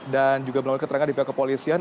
dan juga belum ada keterangan di pihak kepolisian